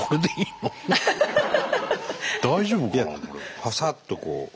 いやパサッとこう。